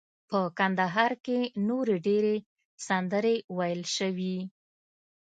په کندهار کې نورې ډیرې سندرې ویل شوي.